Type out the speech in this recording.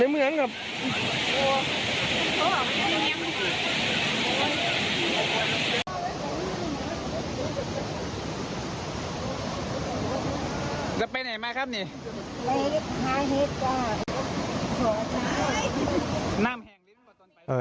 เอาไหนมาครับนี่